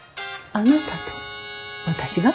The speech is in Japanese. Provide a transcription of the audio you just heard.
あなたと私が？